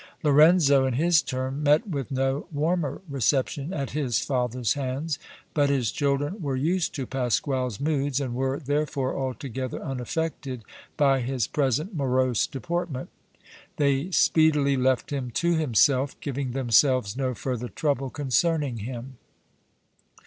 Lorenzo, in his turn, met with no warmer reception at his father's hands. But his children were used to Pasquale's moods and were, therefore, altogether unaffected by his present morose deportment; they speedily left him to himself, giving themselves no further trouble concerning him.